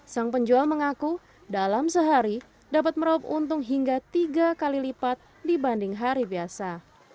sang penjual mengaku dalam sehari dapat meraup untung hingga tiga kali lipat dibanding hari biasa